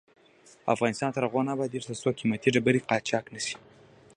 افغانستان تر هغو نه ابادیږي، ترڅو قیمتي ډبرې قاچاق نشي.